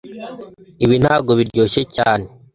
Ibi ntago biryoshye cyane